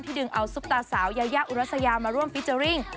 ดึงเอาซุปตาสาวยายาอุรัสยามาร่วมฟิเจอร์ริ่ง